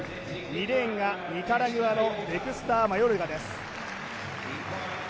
２レーンがニカラグアのデクスター・マヨルガです。